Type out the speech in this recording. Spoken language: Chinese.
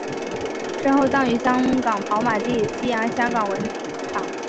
身后葬于香港跑马地西洋香港坟场。